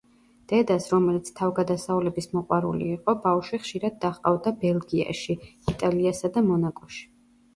დედას, რომელიც თავგადასავლების მოყვარული იყო, ბავშვი ხშირად დაჰყავდა ბელგიაში, იტალიასა და მონაკოში.